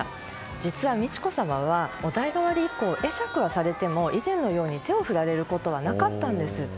実は美智子さまはお代替わり以降会釈はされても以前のように手を振られることはなかったんです。